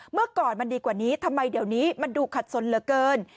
เมื่อก่อนมันดีกว่านี้ทำไมเดี๋ยวนี้มันดูขัดสนเหลือเกิน